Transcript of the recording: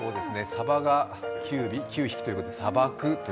サバが９匹ということで砂漠。